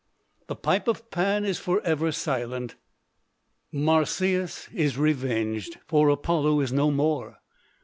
The pipe of Pan is forever silent. Marsyas is revenged, for Apollo is no more.